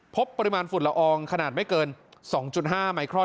พบปริมาณฝุ่นละอองขนาดไม่เกิน๒๕ไมครอน